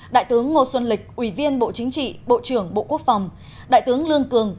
đại tướng ngô xuân lịch ủy viên bộ chính trị bộ trưởng bộ quốc phòng đại tướng lương cường